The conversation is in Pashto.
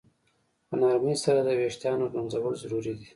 په نرمۍ سره د ویښتانو ږمنځول ضروري دي.